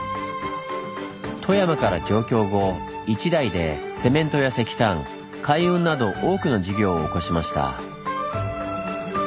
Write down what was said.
富山から上京後一代でセメントや石炭海運など多くの事業を興しました。